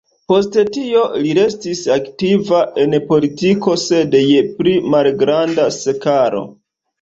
Post tio, li restis aktiva en politiko, sed je pli malgranda skalo.